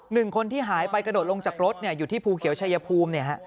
หนึ่งคนที่หายไปกระโดดลงจากรถอยู่ที่ภูเขียวชายภูมิเนี่ยฮะ